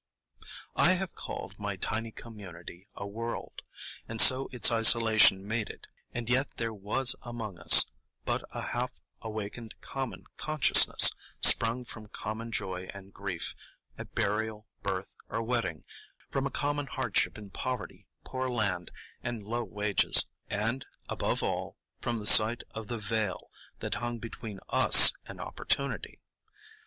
I have called my tiny community a world, and so its isolation made it; and yet there was among us but a half awakened common consciousness, sprung from common joy and grief, at burial, birth, or wedding; from a common hardship in poverty, poor land, and low wages; and, above all, from the sight of the Veil that hung between us and Opportunity.